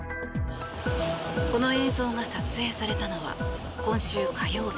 この映像が撮影されたのは今週火曜日